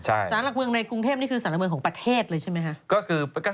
สารหลักเมืองในกรุงเทพนี่คือสารหลักเมืองของประเทศเลยใช่ไหมคะ